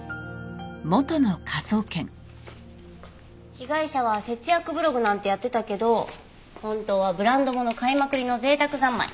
被害者は節約ブログなんてやってたけど本当はブランド物買いまくりの贅沢三昧。